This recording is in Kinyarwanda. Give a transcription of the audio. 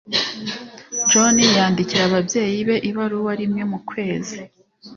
John yandikira ababyeyi be ibaruwa rimwe mu kwezi.